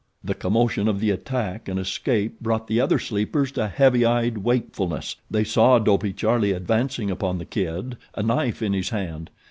The commotion of the attack and escape brought the other sleepers to heavy eyed wakefulness. They saw Dopey Charlie advancing upon the Kid, a knife in his hand.